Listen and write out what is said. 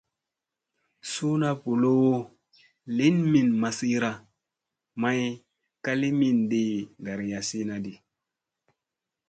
Suuna boloowo lin min masira, may ka li mindi ɗarayasinadi.